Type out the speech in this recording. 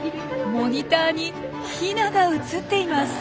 モニターにヒナが映っています！